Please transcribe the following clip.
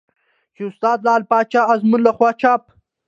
چې استاد لعل پاچا ازمون له خوا چاپ